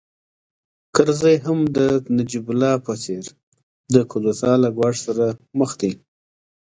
کرزی هم د نجیب الله په څېر د کودتا له ګواښ سره مخ دی